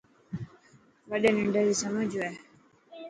وڏي ننڊي ري سمجهه هوئي.